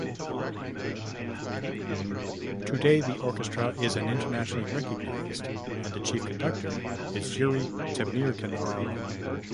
Today, the Orchestra is an internationally recognized, and the Chief Conductor is Yuri Temirkanov.